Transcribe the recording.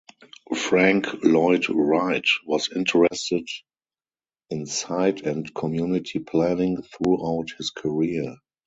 Frank Lloyd Wright was interested in site and community planning throughout his career.